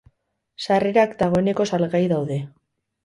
Sarrerak dagoeneko salgai daude.